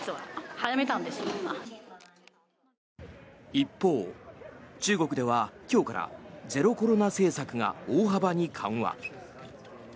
一方、中国では今日からゼロコロナ政策が大幅に緩和。